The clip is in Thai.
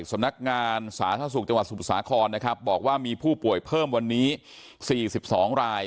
สำนักงานสาธารณสุขจังหวัดสมุทรสาครนะครับบอกว่ามีผู้ป่วยเพิ่มวันนี้๔๒ราย